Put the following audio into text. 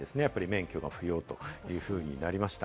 免許が不要というふうになりました。